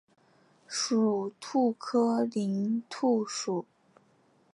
属兔科林兔属。